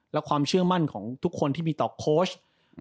และความเชื่อมั่นของทุกคนที่มีต่อโค้ช